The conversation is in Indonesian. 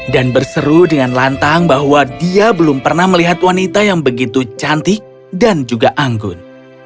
dan berseru dengan lantang bahwa dia belum pernah melihat wanita yang begitu cantik dan juga anggun